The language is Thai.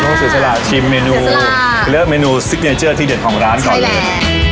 แล้วพวกเศรษฐราชิมเมนูเหลือเมนูซิกเนเจอร์ที่เด่นของร้านก่อนเลย